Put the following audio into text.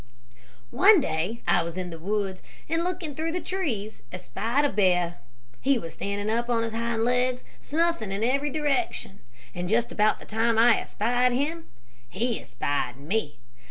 "One day I was in the woods, and looking through the trees espied a bear. He was standing up on his hind legs, snuffing in every direction, and just about the time I espied him, he espied me.